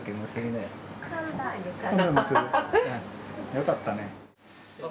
よかったね。